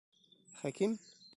Хәким?